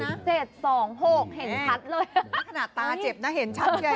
ใกล้ขนาดตาเจ็บเห็นชัดเฉพาะ